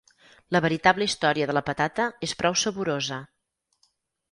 La veritable història de la patata és prou saborosa.